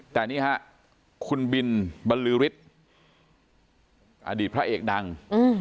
แต่นี่ฮะคุณบินบรรลือฤทธิ์อดีตพระเอกดัง